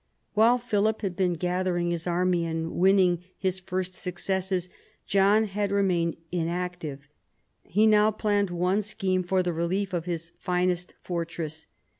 "While Philip had been gathering his army and win ning his first successes John had remained inactive. He now planned one scheme for the relief of his finest fortress.